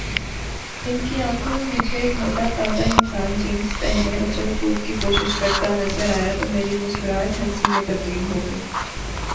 ان کی آنکھوں میں مجھے ایک موٹا تازہ انسان جینز پہنے اچھل کود کی کوشش کرتا نظر آیا تو میری مسکراہٹ ہنسی میں تبدیل ہوگئی